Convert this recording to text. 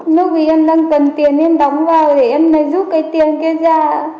lúc vì em đang cần tiền em đóng vào để em lại giúp cái tiền kia ra